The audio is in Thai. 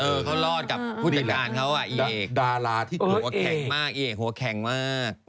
เออเขารอดกับผู้จัดการเขาอ่ะอีเอกหัวแข็งมากอีเอกหัวแข็งมาก